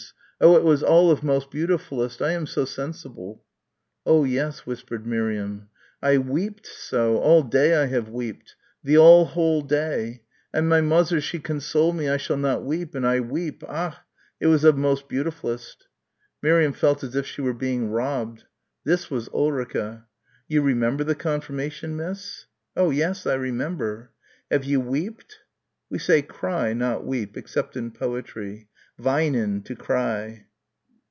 Oh, it was all of most beautifullest. I am so sensible." "Oh, yes," whispered Miriam. "I weeped so! All day I have weeped! The all whole day! And my mozzer she console me I shall not weep. And I weep. Ach! It was of most beautifullest." Miriam felt as if she were being robbed.... This was Ulrica.... "You remember the Konfirmation, miss?" "Oh, yes, I remember." "Have you weeped?" "We say cry, not weep, except in poetry weinen, to cry."